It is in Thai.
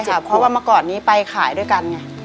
ใช่ครับเพราะว่ามาก่อนนี้ไปขายด้วยกันเงี่ย